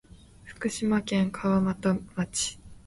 福島県川俣町